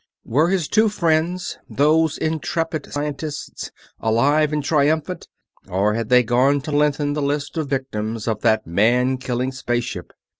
Were his two friends, those intrepid scientists, alive and triumphant, or had they gone to lengthen the list of victims of that man killing space ship?